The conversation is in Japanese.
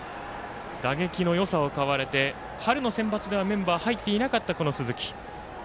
打撃のよさを買われて春のセンバツではメンバー入っていなかった鈴木。